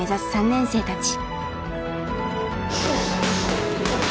３年生たち。